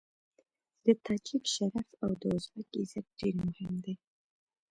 د تاجک شرف او د ازبک عزت ډېر مهم دی.